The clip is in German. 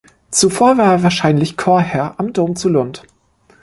Zuvor war er wahrscheinlich Chorherr am Dom zu Lund.